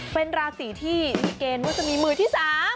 เป็นราศีที่มีเกณฑ์ว่าจะมีมือที่๓